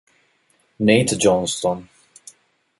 Nate Johnston